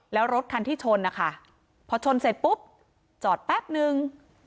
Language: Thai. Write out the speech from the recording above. แล้วรถคันที่ชนนะคะพอชนเสร็จปุ๊บจอดแป๊บนึง